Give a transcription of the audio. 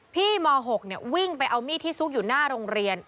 ม๖วิ่งไปเอามีดที่ซุกอยู่หน้าโรงเรียน